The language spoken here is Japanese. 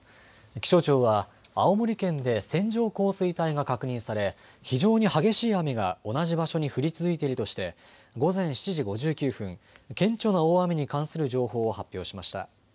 気象庁は、青森県で線状降水帯が確認され、非常に激しい雨が同じ場所に降り続いているとして、午前７時５９分、顕著な大雨に関する情報を発表しました。